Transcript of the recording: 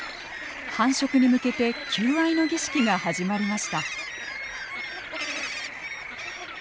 繁殖に向けて求愛の儀式が始まりました。